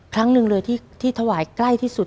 ครั้งหนึ่งเลยที่ถวายใกล้ที่สุด